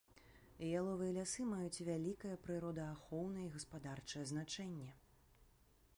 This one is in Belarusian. Яловыя лясы маюць вялікае прыродаахоўнае і гаспадарчае значэнне.